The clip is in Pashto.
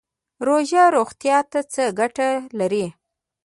روژه روغتیا ته څه ګټه لري؟